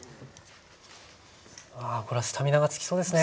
これはスタミナがつきそうですね！